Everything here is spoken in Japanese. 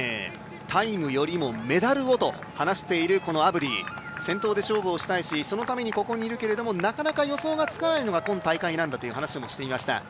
タイムよりもメダルをと話していたアブディ先頭で勝負をしたいけれどそのために、ここにいるけれどなかなか予想がつかないんだっていうのがこの大会なんだという話をしていました。